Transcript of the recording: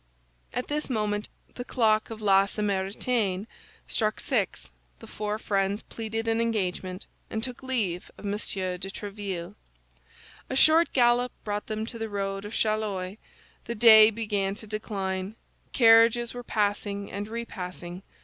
At this moment the clock of La Samaritaine struck six; the four friends pleaded an engagement, and took leave of M. de Tréville. A short gallop brought them to the road of Chaillot; the day began to decline, carriages were passing and repassing.